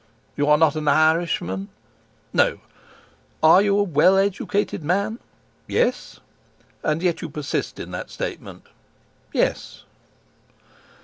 "You are not an Irishman?" "No." "Are you a well educated man?" "Yes." "And yet you persist in that statement?" "Yes."